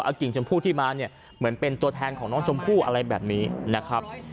กิ่งชมพู่ที่มาเนี่ยเหมือนเป็นตัวแทนของน้องชมพู่อะไรแบบนี้นะครับ